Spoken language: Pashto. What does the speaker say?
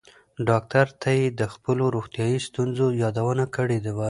ډاکټر ته یې د خپلو روغتیایي ستونزو یادونه کړې وه.